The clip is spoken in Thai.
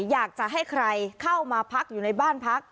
อยากจะให้ใครเข้ามาพักอยู่ในบ้านพัก